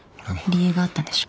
理由があったんでしょ？